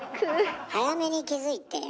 早めに気付いてよ。